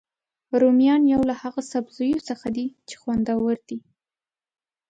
رومیان یو له هغوسبزیو څخه دي چې خوندور دي